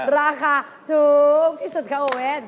ราคาถูกที่สุดค่ะโอเวท